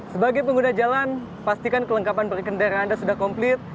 sebagai pengguna jalan pastikan kelengkapan berkendara anda sudah komplit